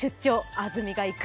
安住がいく」